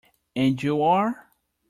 And you are?